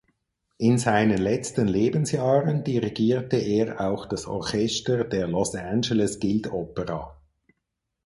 In seinen letzten Lebensjahren dirigierte er auch das Orchester der "Los Angeles Guild Opera".